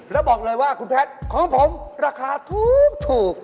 แล้วบอกเลยว่าคุณแพทย์ของผมราคาถูก